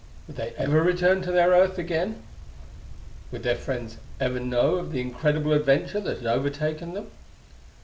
Would they ever return to their Earth again? Would their friends ever know of the incredible adventure that had overtaken them?